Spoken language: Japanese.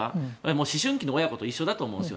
思春期の親子と一緒だと思うんですよ。